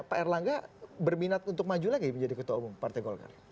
pak erlangga berminat untuk maju lagi menjadi ketua umum partai golkar